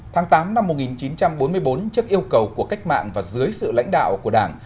tháng tám năm một nghìn chín trăm bốn mươi bốn trước yêu cầu của cách mạng và dưới sự lãnh đạo của đảng